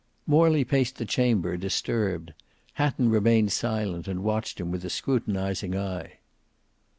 Morley paced the chamber disturbed; Hatton remained silent and watched him with a scrutinizing eye.